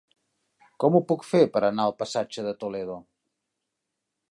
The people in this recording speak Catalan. Com ho puc fer per anar al passatge de Toledo?